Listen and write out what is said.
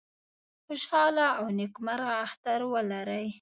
خوشاله او نیکمرغه اختر ولرئ